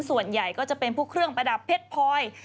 ส่วนใหญ่ก็จะเป็นพวกเครื่องประดับเพชรพลอย